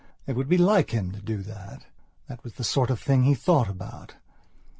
It would be like him to do that; that was the sort of thing he thought about.